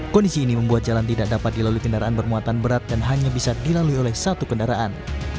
kondisi ini membuat jalan tidak dapat dilalui kendaraan bermuatan berat dan hanya bisa dilalui oleh satu kendaraan